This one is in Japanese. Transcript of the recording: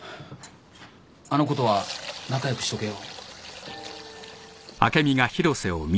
あの子とは仲良くしとけよ。